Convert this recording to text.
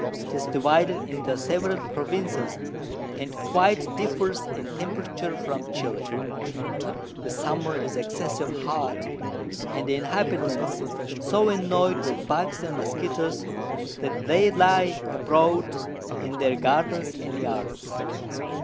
'Tis divided into several Provinces, and quite differs in Temperature from Chili. The Summer is excessive hot, and the Inhabitants so annoy'd with Bugs and Muskettos, that they lie abroad in their Gardens and Yards.